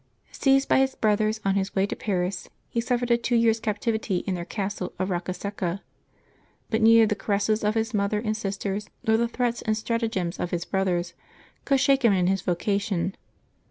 Seized by his brothers on his way to Paris, he suffered a two years' captivity in their castle of Rocea Secca ; but neither the caresses of his mother and sisters, nor the threats and stratagems of his brothers, could shake him in his vocation.